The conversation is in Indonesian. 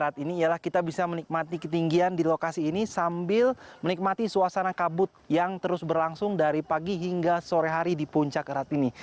saat ini ialah kita bisa menikmati ketinggian di lokasi ini sambil menikmati suasana kabut yang terus berlangsung dari pagi hingga sore hari di puncak erat ini